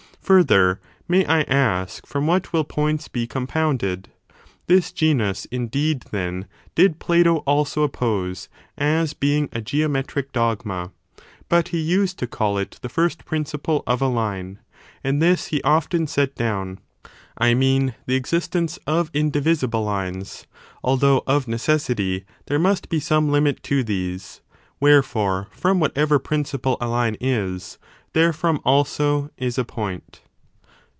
Further, may I ask from what will points be compounded? This genus, indeed, then, did Plato also oppose, as being a geometric dogma; but he used to call it the first principle of a line : and this he often set down, (I mean the existence of indivisible lines,) although of neces sity there must be some limit to these; wherefore, from whatever principle a line is, therefrom also is a point.